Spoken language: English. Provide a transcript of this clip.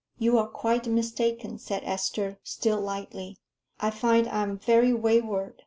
"You are quite mistaken," said Esther, still lightly. "I find I am very wayward.